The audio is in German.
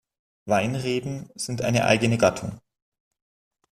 Weinreben sind eine eigene Gattung.